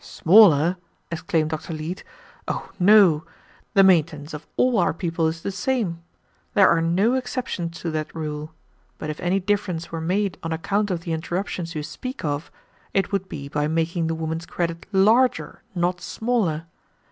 "Smaller!" exclaimed Dr. Leete, "oh, no! The maintenance of all our people is the same. There are no exceptions to that rule, but if any difference were made on account of the interruptions you speak of, it would be by making the woman's credit larger, not smaller.